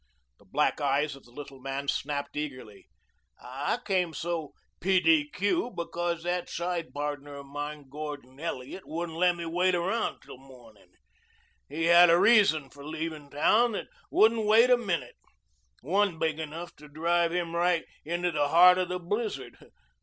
The black eyes of the little man snapped eagerly. "I came so p. d. q. because that side pardner of mine Gordon Elliot wouldn't let me wait till mornin'. He had a reason for leavin' town that wouldn't wait a minute, one big enough to drive him right into the heart of the blizzard.